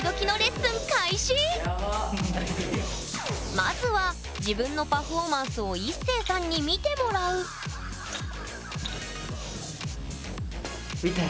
まずは自分のパフォーマンスをＩＳＳＥＩさんに見てもらう！みたいな。